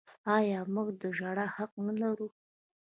آیا موږ د ژړا حق نلرو؟